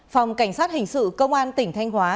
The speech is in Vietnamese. phòng cảnh sát hình sự công an tỉnh thanh hóa